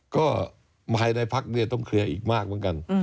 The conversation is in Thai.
ก็ภายในพักเนี่ยต้องเคลียร์อีกมากเหมือนกัน